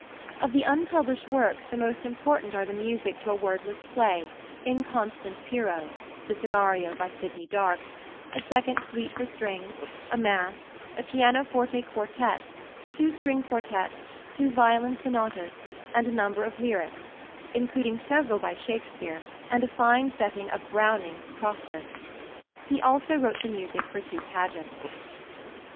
Of the unpublished works, the most important are the music to a wordless play "Inconstant Pierrot" (the scenario by Sidney Dark); a second Suite for strings; a Mass; a Pianoforte Quartet; two String Quartets; two Violin Sonatas; and a number of lyrics (including several by Shakespeare and a fine setting of Browning's "Prospice"). He also wrote the music for two pageants.